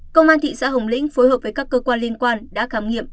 công an thị xã hồng lĩnh phối hợp với các cơ quan liên quan đã khám nghiệm